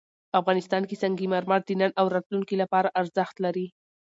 افغانستان کې سنگ مرمر د نن او راتلونکي لپاره ارزښت لري.